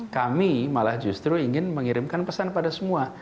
kami malah justru ingin mengirimkan pesan pada semua